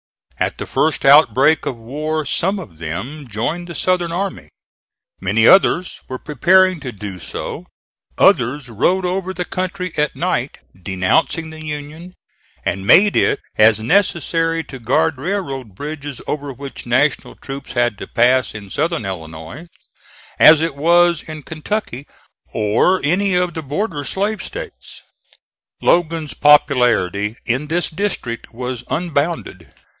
At the first outbreak of war some of them joined the Southern army; many others were preparing to do so; others rode over the country at night denouncing the Union, and made it as necessary to guard railroad bridges over which National troops had to pass in southern Illinois, as it was in Kentucky or any of the border slave states. Logan's popularity in this district was unbounded.